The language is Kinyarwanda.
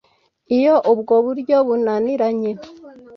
iyo ubwo buryo bunaniranye